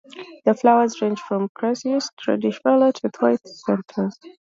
The flowers range from cerise to reddish violet with white centers.